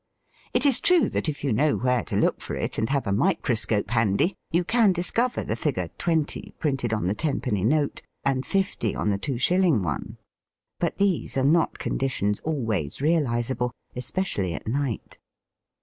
It is true that if you know where to look for it, and have a microscope handy, you can discover the figure " twenty " printed on the tenpenny note, and ^' fifty" on the two shilUng one. But these are not conditions always realizable, especially at night.